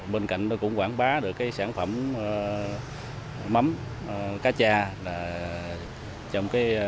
bên cạnh đó cũng quảng bá được cái sản phẩm mắm cá cha